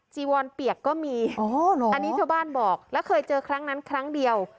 จีวอนเปียกก็มีอันนี้ชาวบ้านบอกแล้วเคยเจอครั้งนั้นครั้งเดียว